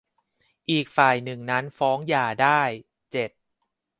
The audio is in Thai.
อีกฝ่ายหนึ่งนั้นฟ้องหย่าได้ เจ็ด